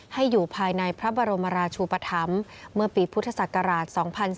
ให้อยู่ภายในพระบรมราชูปธรรมเมื่อปีพุทธศักราช๒๔